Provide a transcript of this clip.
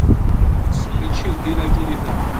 Son métier est d'élaguer les arbres.